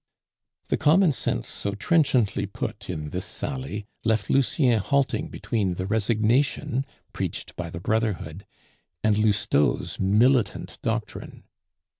The common sense so trenchantly put in this sally left Lucien halting between the resignation preached by the brotherhood and Lousteau's militant doctrine.